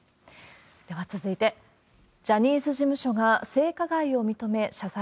では続いて、ジャニーズ事務所が性加害を認め謝罪。